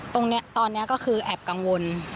ตอนนี้ก็คือแอบกังวล